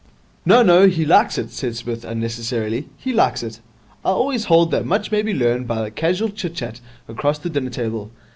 'No, no, he likes it,' said Psmith, unnecessarily. 'He likes it. I always hold that much may be learned by casual chit chat across the dinner table.